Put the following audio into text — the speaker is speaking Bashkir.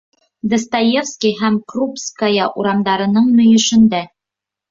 Достоевский һәм Крупская урамдарының мөйөшөндә.